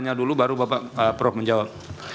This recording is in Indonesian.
tanya dulu baru bapak prof menjawab